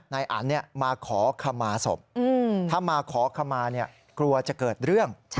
นายอันมาขอขมาศพถ้ามาขอขมากลัวจะเกิดเรื่อง